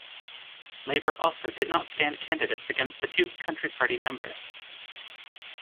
Labour also did not stand candidates against the two Country Party members.